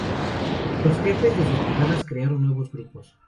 Los jefes de sus brigadas crearon nuevos grupos.